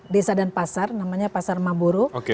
desa dan pasar namanya pasar maburu